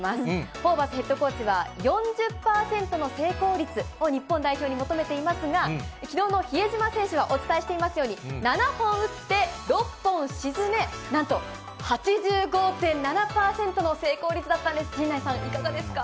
ホーバスヘッドコーチは、４０％の成功率を日本代表に求めていますが、きのうの比江島選手は、お伝えしていますように、７本打って６本沈め、なんと８５．７％の成功率だったんです、陣内さん、いかがですか。